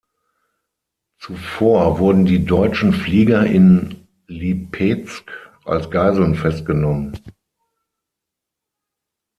Zuvor wurden die deutschen Flieger in Lipezk als Geiseln festgenommen.